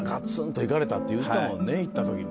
といかれたって言うてたもんね行った時に。